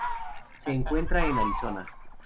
Se encuentra en Arizona.